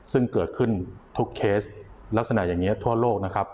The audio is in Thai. ซึ่งเกิดขึ้นทุกเคสลักษณะอย่างนี้ทั่วโลกนะครับ